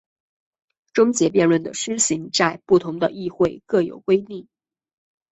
终结辩论的施行在不同的议会各有规定。